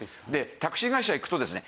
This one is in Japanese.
タクシー会社行くとですね